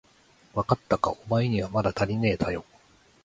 わかったか、おまえにはまだたりねえだよ。